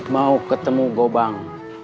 mau ketemu gobang